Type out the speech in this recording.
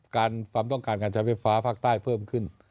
ความต้องการการใช้ไฟฟ้าภาคใต้เพิ่มขึ้น